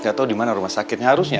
gatau dimana rumah sakitnya